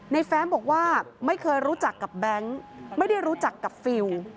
แฟ้มบอกว่าไม่เคยรู้จักกับแบงค์ไม่ได้รู้จักกับฟิล